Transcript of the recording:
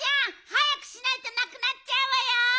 はやくしないとなくなっちゃうわよ。